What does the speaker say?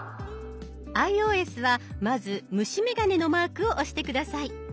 ｉＯＳはまず虫眼鏡のマークを押して下さい。